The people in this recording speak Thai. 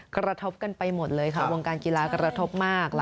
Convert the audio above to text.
กระทบกันไปหมดเลยค่ะวงการกีฬากระทบมาก